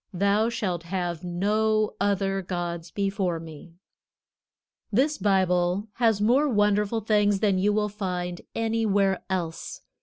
Thou shalt have no other gods before me." This Bible has more wonderful things than you will find anywhere else.